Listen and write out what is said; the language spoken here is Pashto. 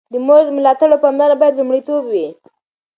د مور ملاتړ او پاملرنه باید لومړیتوب وي.